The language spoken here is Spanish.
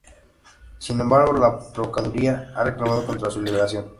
Sin embargo, la Procuraduría ha reclamado contra su liberación.